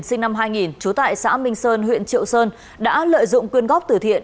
sinh năm hai nghìn trú tại xã minh sơn huyện triệu sơn đã lợi dụng quyên góp tử thiện